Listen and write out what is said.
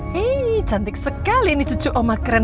hei cantik sekali ini cucu oma keren